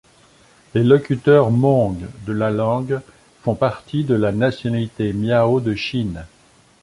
Les locuteurs Hmongs de la langue font partie de la nationalité miao de Chine.